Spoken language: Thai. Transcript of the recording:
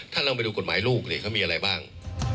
ถ้าเราไปดูกฎหมายลูกเขามีอะไรบ้าง